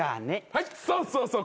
はいそうそうそう。